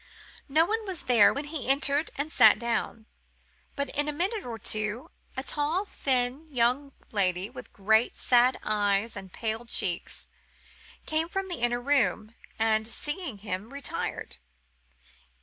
No one was there when he entered and sat down. But, in a minute or two, a tall, thin young lady, with great, sad eyes, and pale cheeks, came from the inner room, and, seeing him, retired.